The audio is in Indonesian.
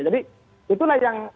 jadi itulah yang